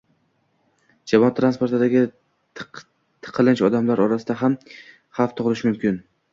jamoat transportidagi tiqilinch odamlar orasida ham havf tug'ilishi mumkin.